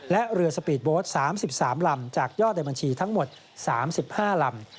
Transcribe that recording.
และเรือสปีดโบสต์๓๓ลำจากยอดในบัญชีทั้งหมด๓๕ลำ